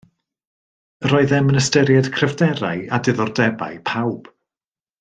Yr oeddem yn ystyried cryfderau a diddordebau pawb